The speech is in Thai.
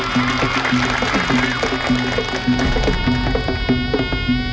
สวัสดีครับ